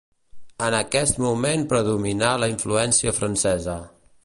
En aquest moment predominà la influència francesa.